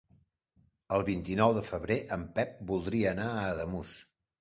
El vint-i-nou de febrer en Pep voldria anar a Ademús.